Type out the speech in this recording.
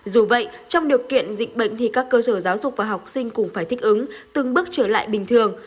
dù vậy trong điều kiện dịch bệnh thì các cơ sở giáo dục và học sinh cũng phải thích ứng từng bước trở lại bình thường